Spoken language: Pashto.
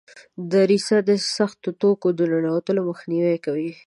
دریڅه د سختو توکو د ننوتلو مخنیوی کوي.